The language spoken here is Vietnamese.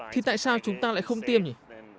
thì tại sao chúng ta lại không tiêm nhỉ